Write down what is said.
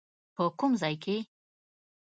په کوم ځای کې؟